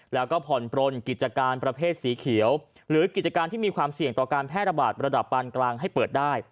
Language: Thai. แล้วก็ผ่อนปลนกิจการประเภทสีเขียวหรือกิจการที่มีความเสี่ยงต่อการแพร่ระบาดระดับปานกลางให้เปิดได้